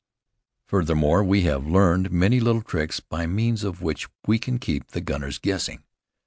Furthermore, we have learned many little tricks by means of which we can keep the gunners guessing.